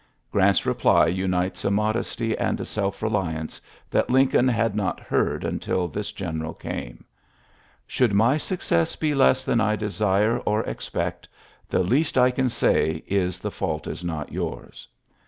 '' Grant's reply unites a modesty and a self reliance that lancoln had not heard until this general came :^^ Should my success be less than I desire or expect^ the least I can say is the fault is not yours."